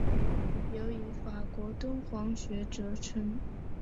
尤以法国敦煌学着称。